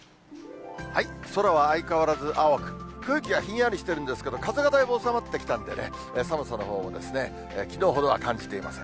空は相変わらず青く、空気はひんやりしてるんですけど、風はだいぶ収まってきたんでね、寒さのほうもきのうほどは感じていません。